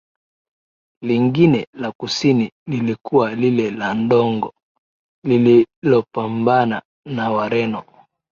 lingine la kusini lilikuwa lile la Ndongo lililopambana na Wareno